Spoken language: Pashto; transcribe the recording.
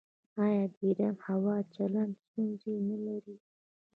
آیا د ایران هوايي چلند ستونزې نلري؟